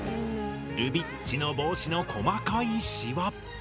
ルビッチの帽子の細かいシワ。